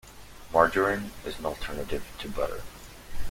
Margarine is an alternative to butter.